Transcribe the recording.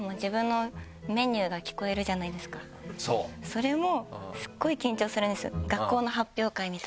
それも。